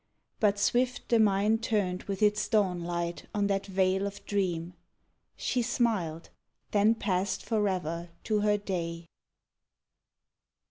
But swift the mind Turned with its dawn light on that vale of dream: She smiled, then passed forever to her day.